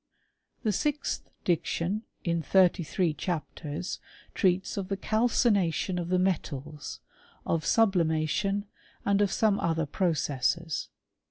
The sixth diction, in thirty three chapters, treats of the calcination of the metals, of sublimation, and of some other processes.